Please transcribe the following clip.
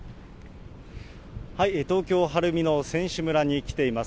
東京・晴海の選手村に来ています。